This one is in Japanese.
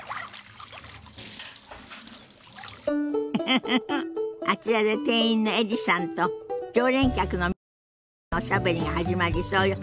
ウフフフあちらで店員のエリさんと常連客の宮坂さんのおしゃべりが始まりそうよ。